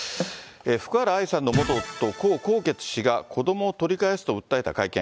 福原愛さんの元夫、江宏傑氏が、子どもを取り返すと訴えた会見。